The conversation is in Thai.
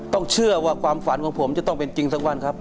ต้องเชื่อว่าความฝันของผมจะต้องเป็นจริงสักวันครับ